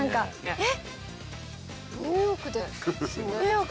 えっ。